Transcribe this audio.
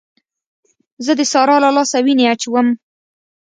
زه د سارا له لاسه وينې اچوم.